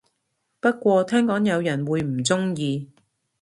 不過聽講有人會唔鍾意